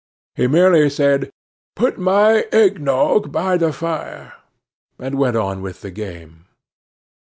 He merely said: "Put my egg nogg by the fire," and went on with the game.